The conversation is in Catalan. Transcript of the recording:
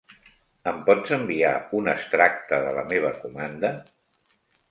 Em pots enviar un extracte de la meva comanda?